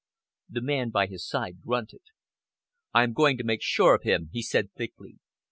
The man by his side grunted. "I am going to make sure of him," he said thickly.